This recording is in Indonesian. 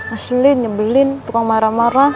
asli nyebelin tukang marah marah